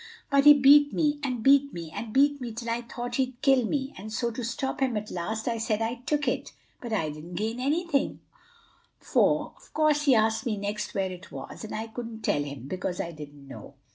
"But he beat me, and beat me, and beat me till I thought he'd kill me; and so to stop him at last I said I took it. But I didn't gain anything, for of course he asked next where it was, and I couldn't tell him, because I didn't know.